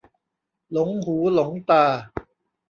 หลงหูหลงตา